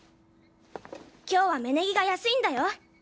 今日は芽ネギが安いんだよ。